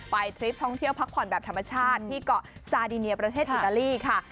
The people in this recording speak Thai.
ทริปท่องเที่ยวพักผ่อนแบบธรรมชาติที่เกาะซาดิเนียประเทศอิตาลีค่ะ